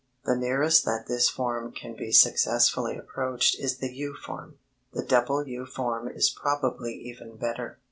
The nearest that this form can be successfully approached is the U form. The double U form is probably even better.